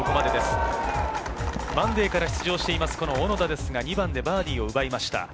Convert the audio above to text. マンデーから出場している小野田ですが２番でバーディーを奪いました。